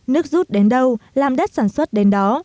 nước rút đến đâu làm đất sản xuất đến đó